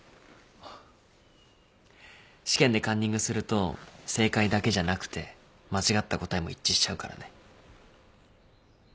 試験でカンニングすると正解だけじゃなくて間違った答えも一致しちゃうからね。